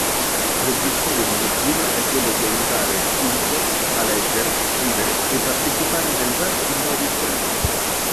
L'obiettivo di Mozilla è quello di aiutare chiunque a leggere, scrivere e partecipare nel web in modo informato.